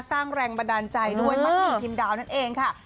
สร้างแรงบันดาลใจด้วยมัดหมี่พิมดาวนั่นเองค่ะ